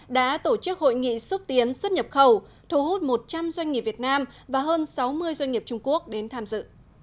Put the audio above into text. đã tổ chức hội nghị xúc tiến xuất nhập khẩu thu hút một trăm linh doanh nghiệp việt nam và hơn sáu mươi doanh nghiệp trung quốc đến tham dự